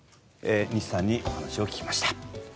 西さんにお話を聞きました。